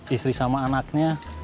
istri sama anaknya